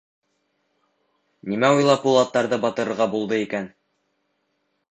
Нимә уйлап ул аттарҙы батырырға булды икән?